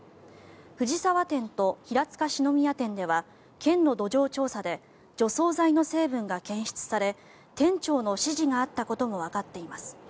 藤沢店と平塚四之宮店では県の土壌調査で除草剤の成分が検出され店長の指示があったこともわかっています。